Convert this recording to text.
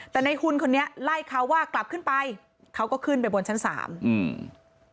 แต่ในหุ่นคนนี้ไล่เขาว่ากลับขึ้นไปเขาก็ขึ้นไปบนชั้นสามอืม